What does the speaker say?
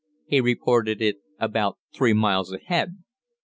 He reported it about three miles ahead.